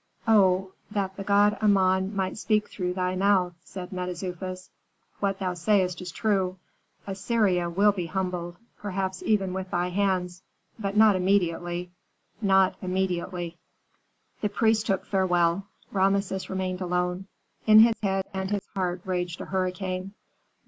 "Oh, that the god Amon might speak through thy mouth," said Mentezufis. "What thou sayst is true; Assyria will be humbled, perhaps even with thy hands, but not immediately not immediately." The priest took farewell; Rameses remained alone. In his head and his heart raged a hurricane.